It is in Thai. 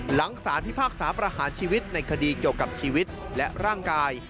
หลังสารพิพากษาประหารชีวิตในคดีเกี่ยวกับชีวิตและร่างกาย